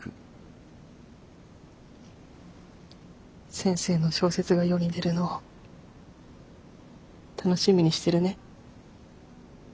先生の小説が世に出るのを楽しみにしてるね。